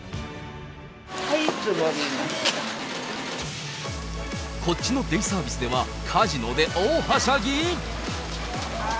はい、こっちのデイサービスでは、カジノで大はしゃぎ。